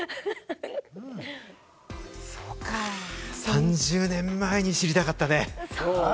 ３０年前に知りたかったね。